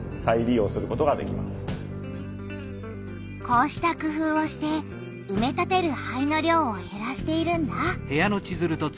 こうした工夫をしてうめ立てる灰の量をへらしているんだ。